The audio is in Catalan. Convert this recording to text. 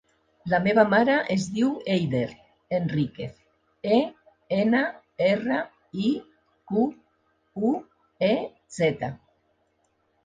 La meva mare es diu Eider Enriquez: e, ena, erra, i, cu, u, e, zeta.